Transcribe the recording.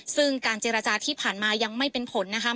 ซึ่งการเจรจาที่ผ่านมายังไม่เป็นผลนะคะ